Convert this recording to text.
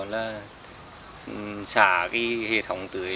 là xả cái hệ thống tưới